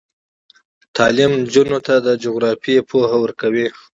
تعلیم نجونو ته د جغرافیې پوهه ورکوي.